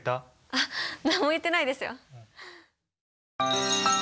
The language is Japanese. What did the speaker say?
あっ何も言ってないですよ！